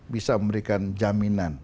bisa memberikan jaminan